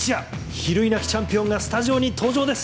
比類なきチャンピオンがスタジオに登場です。